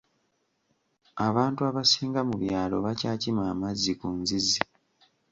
Abantu abasinga mu byalo bakyakima amazzi ku nzizi.